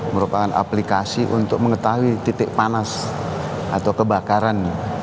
merupakan aplikasi untuk mengetahui titik panas atau kebakaran